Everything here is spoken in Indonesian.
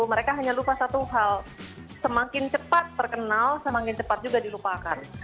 mereka hanya lupa satu hal semakin cepat terkenal semakin cepat juga dilupakan